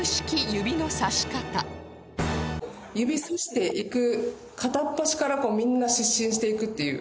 指さしていく片っ端からこうみんな失神していくっていう。